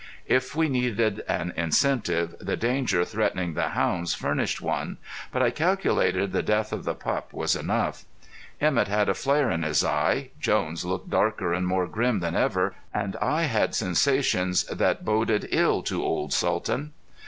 If we needed an incentive, the danger threatening the hounds furnished one; but I calculated the death of the pup was enough. Emett had a flare in his eye, Jones looked darker and more grim than ever, and I had sensations that boded ill to old Sultan.